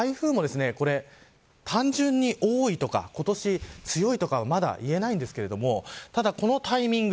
台風も単純に多いとか今年、強いとかはまだ言えませんがただこのタイミング。